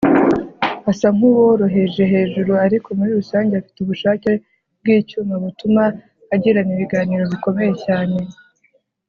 Asa nkuworoheje hejuru ariko muri rusange afite ubushake bwicyuma butuma agirana ibiganiro bikomeye cyane